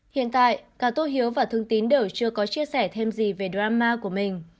hiện tại cả tô hiếu và thương tín đều chưa có chia sẻ thêm gì về drama của mình